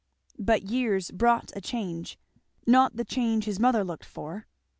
But years brought a change not the change his mother looked for.